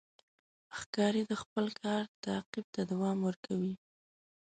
ښکاري د خپل ښکار تعقیب ته دوام ورکوي.